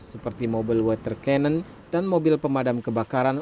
seperti mobil water cannon dan mobil pemadam kebakaran